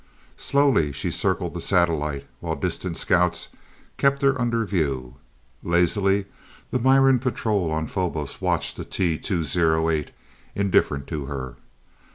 Slowly she circled the satellite, while distant scouts kept her under view. Lazily, the Miran patrol on Phobos watched the T 208, indifferent to her.